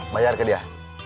bayar ke dia